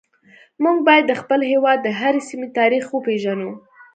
موږ باید د خپل هیواد د هرې سیمې تاریخ وپیژنو